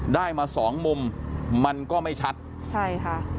ได้มาสองมุมมันก็ไม่ชัดใช่ค่ะ